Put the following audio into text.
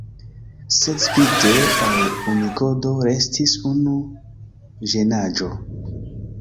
Sed spite al Unikodo restis unu ĝenaĵo.